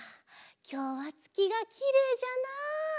きょうはつきがきれいじゃなあ。